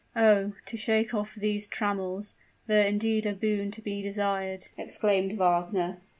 "Oh! to shake off those trammels, were indeed a boon to be desired!" exclaimed Wagner.